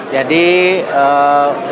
jadi insya allah